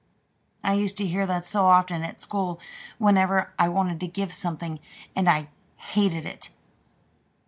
I used to hear that so often at school whenever I wanted to give something, and I I hated it.